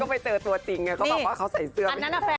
ก็ไปเจอตัวจริงเขาบอกว่าเขาใส่เสื้อ